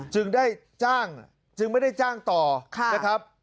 จึงได้จ้างจึงไม่ได้จ้างต่อนะครับ